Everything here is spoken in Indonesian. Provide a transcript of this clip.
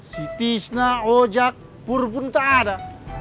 si tisna ojek purbun tak ada